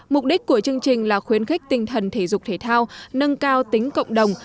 mục đích của chương trình là khuyến khích tinh thần thể dục thể thao nâng cao tính cộng đồng